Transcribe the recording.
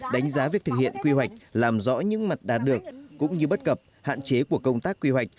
đánh giá việc thực hiện quy hoạch làm rõ những mặt đạt được cũng như bất cập hạn chế của công tác quy hoạch